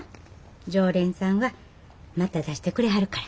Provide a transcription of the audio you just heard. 常連さんはまた出してくれはるから。